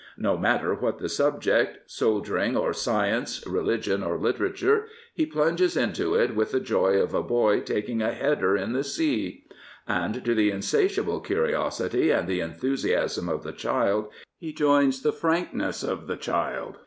No matter what the subject, soldiering or science, religion or literature, he plunges into it with the joy of a boy taking a " header " in the sea. And to the insatiable curiosity and the enthusiasm of the child he joins the frankness of the child.